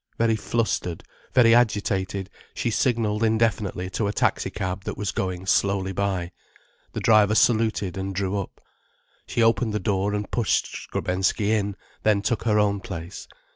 Very flustered, very agitated, she signalled indefinitely to a taxi cab that was going slowly by. The driver saluted and drew up. She opened the door and pushed Skrebensky in, then took her own place.